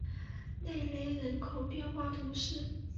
内雷人口变化图示